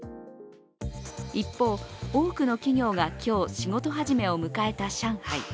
一方、多くの企業が今日、仕事始めを迎えた上海。